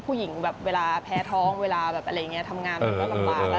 ผู้หญิงแบบเวลาแพ้ท้องเวลาแบบอะไรอย่างนี้ทำงานมันก็ลำบาก